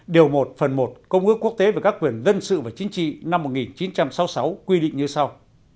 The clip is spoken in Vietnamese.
điều một phần một công ước quốc tế về các quyền dân sự và chính trị năm một nghìn chín trăm sáu mươi sáu quy định như sau